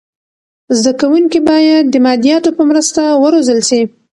زده کونکي باید د مادیاتو په مرسته و روزل سي.